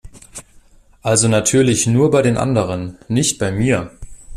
Also natürlich nur bei den anderen, nicht bei mir!